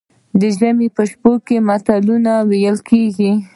د ژمي په شپو کې متلونه ویل کیږي.